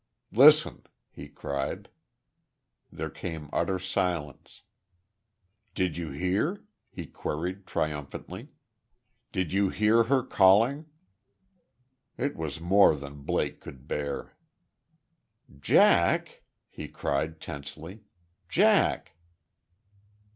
"Listen!" he cried. There came utter silence. "Did you hear?" he queried, triumphantly. "Did you hear her calling?" It was more than Blake could bear. "Jack!" he cried, tensely. "Jack!"